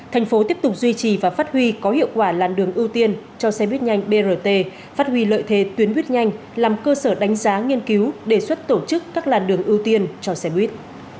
thành phố tiếp tục duy trì và phát huy có hiệu quả làn đường ưu tiên cho xe buýt nhanh brt phát huy lợi thế tuyến buýt nhanh làm cơ sở đánh giá nghiên cứu đề xuất tổ chức các làn đường ưu tiên cho xe buýt